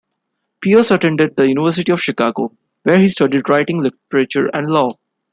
Pierce attended the University of Chicago; where he studied writing, literature, and law.